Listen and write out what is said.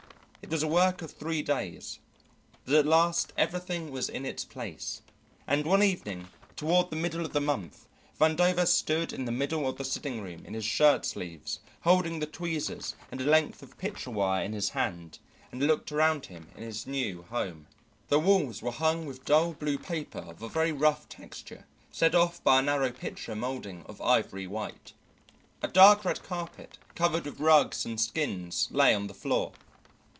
It was a work of three days, but at last everything was in its place, and one evening toward the middle of the month Vandover stood in the middle of the sitting room in his shirt sleeves, holding the tweezers and a length of picture wire in his hand, and looked around him in his new home. The walls were hung with dull blue paper of a very rough texture set off by a narrow picture moulding of ivory white. A dark red carpet covered with rugs and skins lay on the floor.